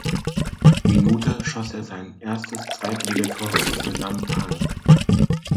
Minute schoss er sein erstes Zweitligator für Lampang.